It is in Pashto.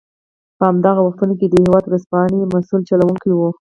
په همدغو وختونو کې د هېواد ورځپاڼې مسوول چلوونکی و.